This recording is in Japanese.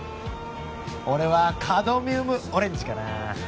俺はカドミウムオレンジかな